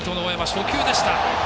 初球でした。